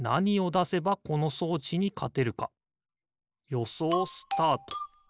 よそうスタート！